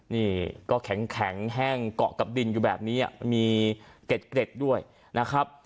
นี่ก็แข็งแห้งเกาะกับดินอยู่แบบนี้มีเกร็ดด้วยนะครับ